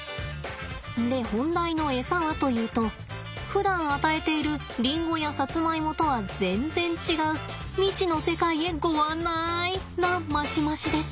で本題のエサはというとふだん与えているリンゴやサツマイモとは全然違う「未知の世界へごあんない！」なマシマシです。